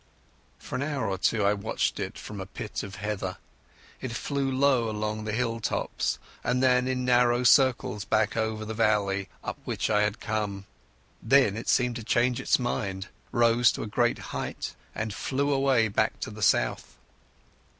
For an hour or two I watched it from a pit of heather. It flew low along the hill tops, and then in narrow circles over the valley up which I had come. Then it seemed to change its mind, rose to a great height, and flew away back to the south.